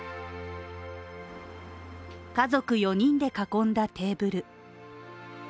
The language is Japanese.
家族４人で囲んだテーブル。